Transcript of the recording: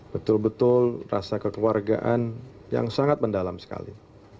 betul betul rasa kekeluargaan yang sangat mendalam sekali